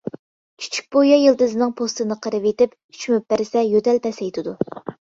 چۈچۈك بۇيا يىلتىزىنىڭ پوستىنى قىرىۋېتىپ شۈمۈپ بەرسە يۆتەل پەسەيتىدۇ.